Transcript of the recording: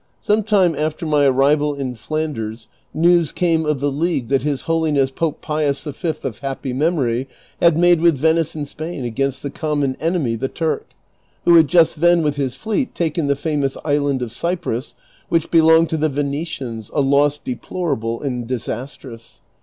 ^ Some time after my arrival in Flanders news came of the league that his Holiness Pope Pius V. of happy memory had made with Venice and Spain against the common enemy, the Turk, who had just then with his fleet taken the famous island of C'y|jrus, which belonged to the Venetians, a loss deplorable and disastrous.